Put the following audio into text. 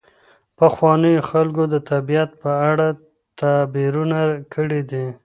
پخوانیو خلګو د طبیعت په اړه تعبیرونه کړي دي.